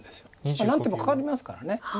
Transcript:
まあ何手もかかりますから手が。